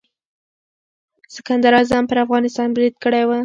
سکندر اعظم پر افغانستان برید کړی و.